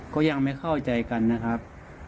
ก็ยังไม่เข้าใจกันนะครับ